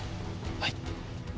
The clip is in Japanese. はい